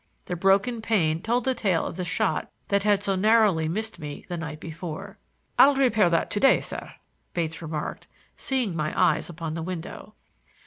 The broken pane told the tale of the shot that had so narrowly missed me the night before. "I'll repair that to day, sir," Bates remarked, seeing my eyes upon the window.